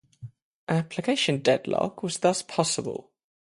Application dead-lock was thus possible.